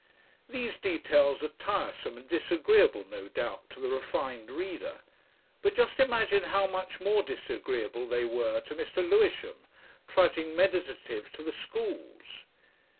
These details are tiresome and disagreeable, no doubt, to the refined reader, but just imagine how much more disagreeable they were to Mr. Lewisham, trudging meditative to the schools.